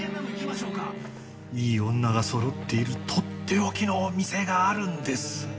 いい女がそろっているとっておきのお店があるんです。